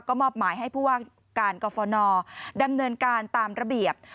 ก็มอบหมายให้ผู้ว่าการกรฟนดำเนินการตามระเบียบ